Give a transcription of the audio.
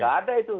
tidak ada itu